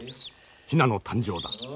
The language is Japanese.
ヒナの誕生だ。